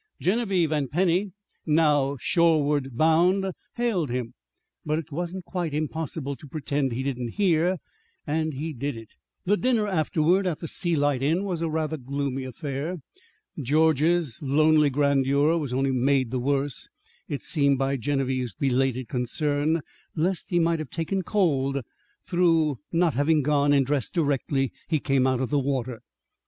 Genevieve and Penny, now shoreward bound, hailed him. But it wasn't quite impossible to pretend he didn't hear, and he did it. The dinner afterward at the Sea Light Inn was a rather gloomy affair. George's lonely grandeur was only made the worse, it seemed, by Genevieve's belated concern lest he might have taken cold through not having gone and dressed directly he came out of the water.